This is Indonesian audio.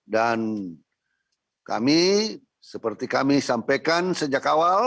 dan kami seperti kami sampaikan sejak awal